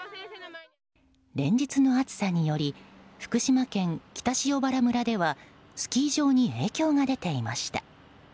連日の暑さにより福島県北塩原村ではスキー場に影響が出ていました。